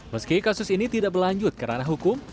meski kasus ini tidak berlanjut kerana hukum